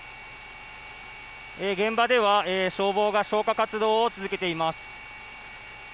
現場では消防が消火活動を続けています。